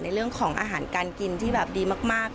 เรื่องของอาหารการกินที่แบบดีมาก